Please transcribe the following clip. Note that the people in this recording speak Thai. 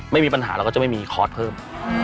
ไม่มีปัญหาเราก็จะไม่มีคอร์สเพิ่ม